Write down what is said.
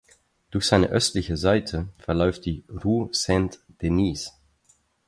Durch seine östliche Seite verläuft die Rue Saint-Denis.